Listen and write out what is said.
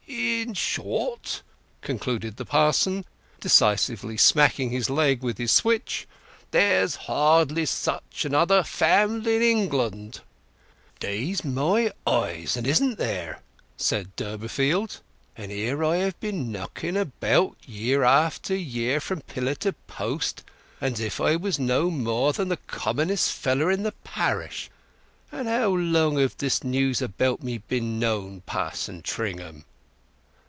"In short," concluded the parson, decisively smacking his leg with his switch, "there's hardly such another family in England." "Daze my eyes, and isn't there?" said Durbeyfield. "And here have I been knocking about, year after year, from pillar to post, as if I was no more than the commonest feller in the parish.... And how long hev this news about me been knowed, Pa'son Tringham?"